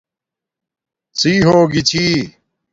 ڎی ہوگی چھی